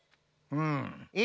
うん？